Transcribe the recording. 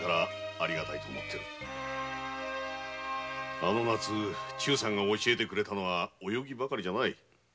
あの夏忠さんが教えてくれたのは泳ぎばかりじゃない。